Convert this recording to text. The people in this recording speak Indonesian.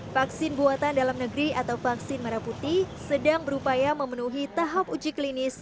vaksin buatan dalam negeri atau vaksin merah putih sedang berupaya memenuhi tahap uji klinis